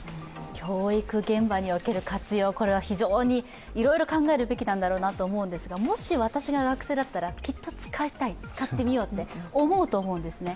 教育現場における活用、これは非常にいろいろ考えるべきなんだろうなと思いますがもし私が学生だったら、きっと使いたい、使ってみようって思うと思うんですね。